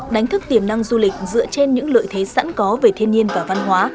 đánh thức tiềm năng du lịch dựa trên những lợi thế sẵn có về thiên nhiên và văn hóa